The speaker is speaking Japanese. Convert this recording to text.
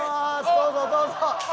どうぞどうぞ！